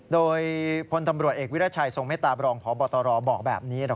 โดยพลตำรวจเอกวิรัชัยทรงเมตตาบรองพบตรบอกแบบนี้